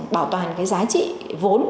bảo toàn cái giá trị vốn